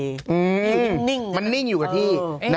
นิ่งนะครับเออแต่ว่ามันนิ่งอยู่กับที่